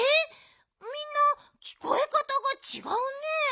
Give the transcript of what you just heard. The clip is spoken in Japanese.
みんなきこえかたがちがうね。